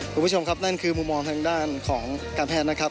คุณผู้ชมครับนั่นคือมุมมองทางด้านของการแพทย์นะครับ